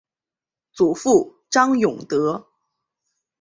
祖父张永德。